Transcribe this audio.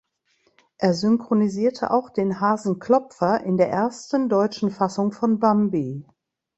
Er synchronisierte auch den Hasen Klopfer in der ersten deutschen Fassung von "Bambi".